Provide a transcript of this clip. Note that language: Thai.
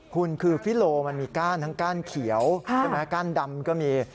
คุณคือฟิโลมันมีก้านทั้งก้านเขียวใช่ไหมก้านดำก็มี